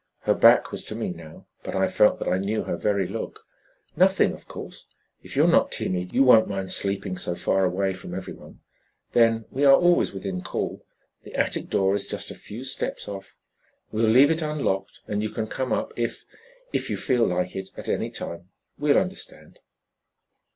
Her back was to me now, but I felt that I knew her very look. "Nothing, of course. If you're not timid you won't mind sleeping so far away from every one. Then, we are always within call. The attic door is just a few steps off. We'll leave it unlocked and you can come up if if you feel like it at any time. We'll understand."